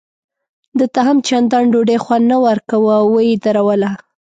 ده ته هم چندان ډوډۍ خوند نه ورکاوه او یې ودروله.